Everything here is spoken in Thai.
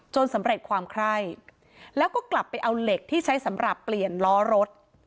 สำเร็จความไคร้แล้วก็กลับไปเอาเหล็กที่ใช้สำหรับเปลี่ยนล้อรถ